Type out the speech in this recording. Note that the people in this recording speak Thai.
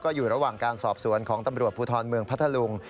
อยู่ระหว่างการสอบสวนของตำรวจภูทรเมืองพัทธลุง